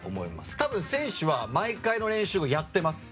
多分、選手は毎回の練習をやってます。